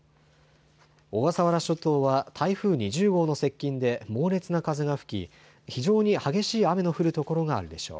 小笠原諸島は台風２０号の接近で猛烈な風が吹き非常に激しい雨の降る所があるでしょう。